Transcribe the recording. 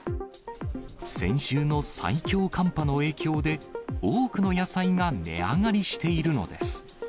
先週の最強寒波の影響で、多くの野菜が値上がりしているのです。